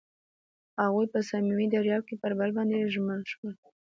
هغوی په صمیمي دریاب کې پر بل باندې ژمن شول.